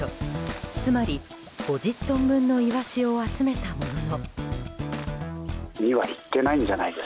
つまり５０トン分のイワシを集めたものの。